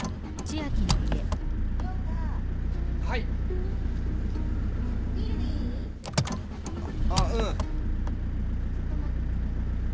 ちょっと待っててね。